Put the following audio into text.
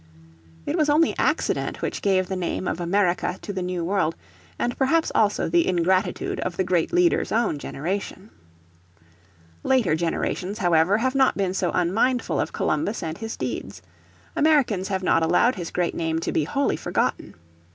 It was only accident which gave the name of America to the New World, and perhaps also the ingratitude of the great leader's own generation. Later generations, however, have not been so unmindful of Columbus and his deeds; Americans have not allowed his great name to be wholly forgotten.